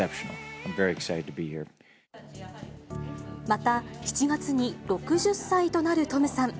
また、７月に６０歳となるトムさん。